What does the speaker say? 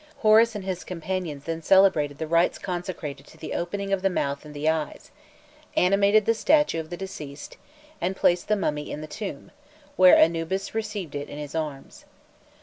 Horus and his companions then celebrated the rites consecrated to the "Opening of the Mouth and the Eyes:" animated the statue of the deceased, and placed the mummy in the tomb, where Anubis received it in his arms.